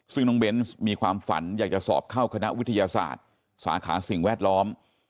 ซึ่งน้องเบนส์มีความฝันอยากจะสอบเข้าคณะวิทยาศาสตร์สาขาสิ่งแวดล้อม